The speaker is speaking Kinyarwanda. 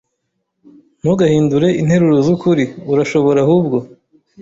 Ntugahindure interuro zukuri. Urashobora, ahubwo,